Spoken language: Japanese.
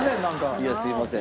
いやすいません。